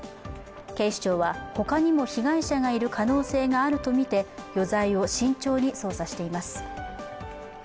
警視庁は他にも被害者がいる可能性があるとみて余罪を慎重に捜査しています。